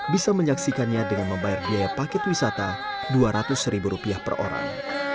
bisa menyaksikannya dengan membayar biaya paket wisata dua ratus ribu rupiah per orang